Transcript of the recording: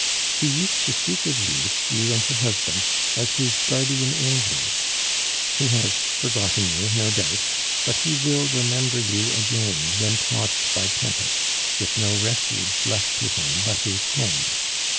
He used to speak of you, you and your husband, as his guardian angels; he has forgotten you, no doubt; but he will remember you again when tossed by tempest, with no refuge left to him but his home.